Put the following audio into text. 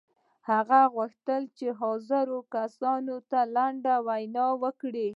هغه غوښتل چې حاضرو کسانو ته لنډه وینا وکړي